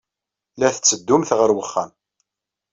La tetteddumt ɣer wexxam.